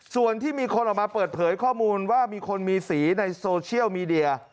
ส่วนที่มีคนออกมาเปิดเผยข้อมูลว่ามีคนมีสีในโซเชียลมีเดีย